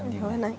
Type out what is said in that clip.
cảm ơn anh ạ